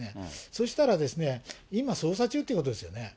そうしたら、今、捜査中ということですよね。